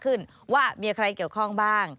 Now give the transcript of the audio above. ว่ามีใครเกี่ยวข้องบ้าง